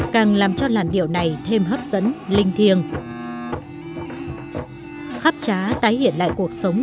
càng làm cho làn điệu này thêm nhiều lòng